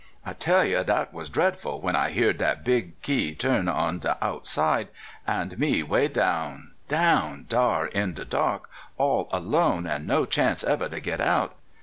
I tell you, dat was dreadful when I heerd dat big key turn on de out side, an' me 'way down, down dar in de dark all alone, an' no chance ever to git out!